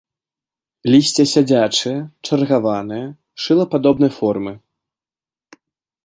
Лісце сядзячае, чаргаванае, шылападобнай формы.